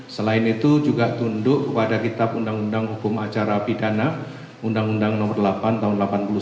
selain itu juga tunduk kepada kitab undang undang hukum acara pidana undang undang nomor delapan tahun seribu sembilan ratus delapan puluh sembilan